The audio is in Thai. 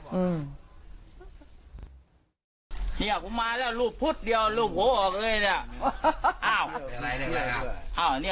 เนี้ยผมมาแล้วรูปพุธเดียวรูปหัวออกเลยเนี้ยอ้าวอะไรอะไรครับอ้าวเนี้ย